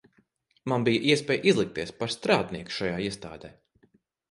Man bija iespēja izlikties par strādnieku šajā iestādē.